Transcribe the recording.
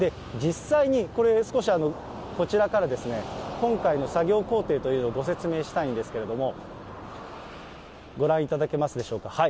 実際にこれ、少しこちらから、今回の作業工程というのをご説明したいんですけれども、ご覧いただけますでしょうか。